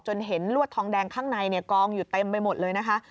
เห็นลวดทองแดงข้างในกองอยู่เต็มไปหมดเลยนะคะ